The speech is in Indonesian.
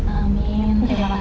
amin terima kasih